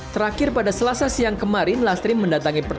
terakhir pada selasa siang kemarin